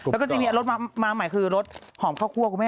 แล้วก็จะมีรสมาใหม่คือรสหอมข้าวคั่วคุณแม่